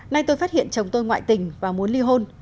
nay tôi phát hiện chồng tôi ngoại tình và muốn li hôn